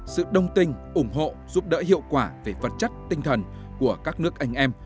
sự đồng tình ủng hộ giúp đỡ hiệu quả về vật chất tinh thần của các nước anh em